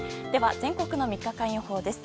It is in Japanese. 全国の３日間予報です。